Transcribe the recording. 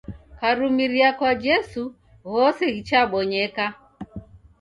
Karumiria kwa jesu ghose ghichabonyeka